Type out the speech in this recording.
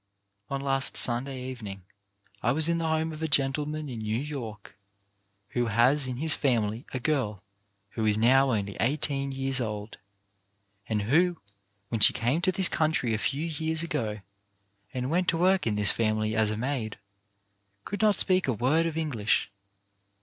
On last Sunday evening I was in the home of a gentleman in New York who has in his family a girl who is now only eighteen years old, and who, when she came to this country a few years ago and went to work in this family as a maid, could not speak a word of English.